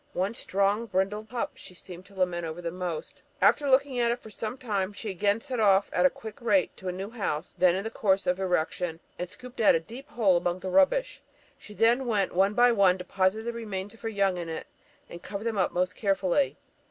One strong brindled pup she seemed to lament over the most. After looking at it for some time, she again set off at a quick rate to a new house then in the course of erection, and scooped out a deep hole among the rubbish. She then, one by one, deposited the remains of her young in it, and covered them up most carefully.